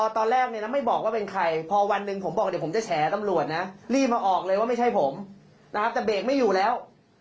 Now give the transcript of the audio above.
จะเปรกไม่อยู่แล้ว